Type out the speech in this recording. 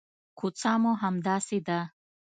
کوڅه مو همداسې ده.